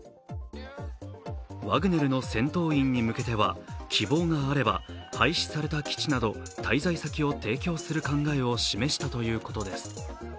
ワグネルの戦闘員に向けては希望があれば廃止された基地など滞在先を提供する考えを示したということです。